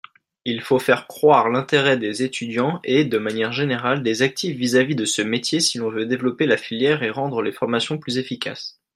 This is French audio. Il faut faire croître l’intérêt des étudiants et, de manière générale, des actifs vis-à-vis de ce métier si l’on veut développer la filière et rendre les formations plus efficaces.